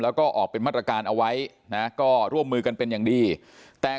แล้วก็ออกเป็นมาตรการเอาไว้นะก็ร่วมมือกันเป็นอย่างดีแต่